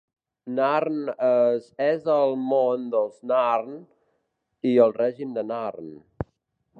Narn es és el món dels narn i el Règim de Narn.